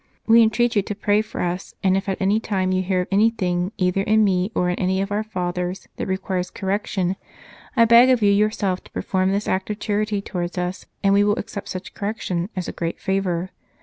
... We entreat you to pray for us, and if at any time you hear of anything, either in me or in any of our Fathers, that requires correction, I beg of you yourself to perform this act of charity towards us, and we will accept such correction as a great favour.